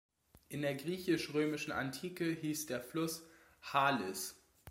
In der griechisch-römischen Antike hieß der Fluss "Halys".